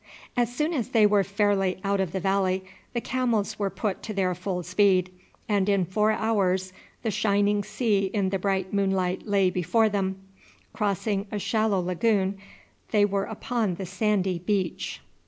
As soon as they were fairly out of the valley the camels were put to their full speed, and in four hours the sea shining in the bright moonlight lay before them. Crossing a shallow lagoon they were upon the sandy beach.